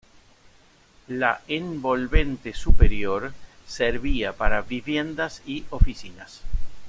La envolvente superior servía para viviendas y oficinas.